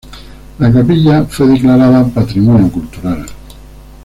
La capilla fue declarada Patrimonio Cultural.